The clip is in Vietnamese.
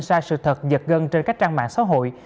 sai sự thật giật gân trên các trang mạng xã hội